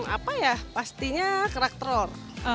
apa ya pastinya kerak telur